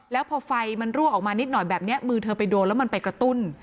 แล้วพอไฟมันรั่วออกมานิดหน่อยแบบนี้มือเธอไปโดนแล้วมันไปกระตุ้น